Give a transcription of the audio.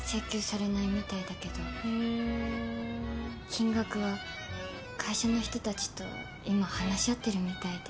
金額は会社の人たちといま話し合ってるみたいで。